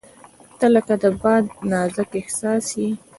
• ته لکه د باد نازک احساس یې.